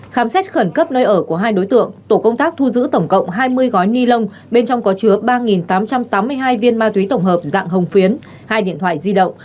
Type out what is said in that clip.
khám xét khẩn cấp nơi ở của hai đối tượng tổ công tác thu giữ tổng cộng hai mươi gói ni lông bên trong có chứa ba tám trăm tám mươi hai viên ma túy tổng hợp dạng hồng phiến hai điện thoại di động